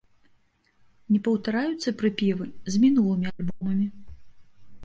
Не паўтараюцца прыпевы з мінулымі альбомамі.